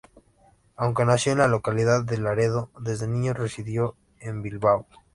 Aunque nació en la localidad de Laredo, desde niño residió en Bilbao.